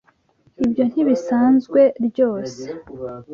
Ibyo ntibisanzwe RYOSE?